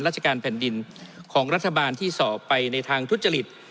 ราชการแผ่นดินของรัฐบาลที่สอบไปในทางทุจริต